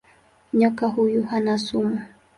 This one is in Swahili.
Nyoka huyu hana sumu.